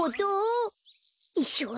いっしょう